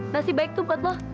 masih baik tuh buat lo